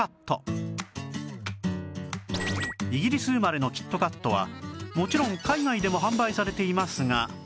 イギリス生まれのキットカットはもちろん海外でも販売されていますが